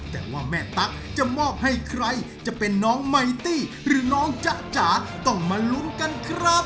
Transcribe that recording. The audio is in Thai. แต่ว่าแม่ตั๊กจะมอบให้ใครจะเป็นน้องไมตี้หรือน้องจ๊ะจ๋าต้องมาลุ้นกันครับ